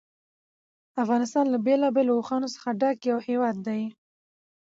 افغانستان له بېلابېلو اوښانو څخه ډک یو هېواد دی.